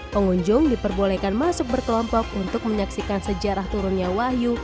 pengunjung diperbolehkan masuk berkelompok untuk menyaksikan sejarah turunnya wahyu